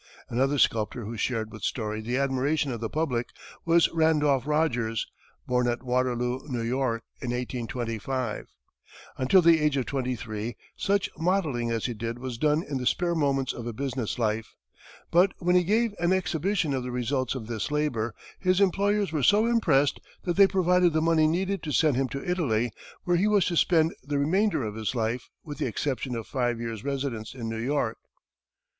Another sculptor who shared with Story the admiration of the public was Randolph Rogers, born at Waterloo, New York, in 1825. Until the age of twenty three such modelling as he did was done in the spare moments of a business life; but when he gave an exhibition of the results of this labor, his employers were so impressed that they provided the money needed to send him to Italy, where he was to spend the remainder of his life, with the exception of five years' residence in New York.